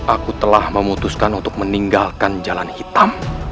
aku telah memutuskan untuk meninggalkan jalan hitam